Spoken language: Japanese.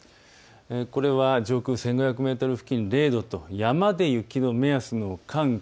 これは上空１５００メートル付近、山で雪の目安の寒気。